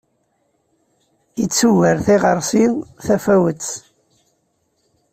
Ittuger tiɣersi tafawet.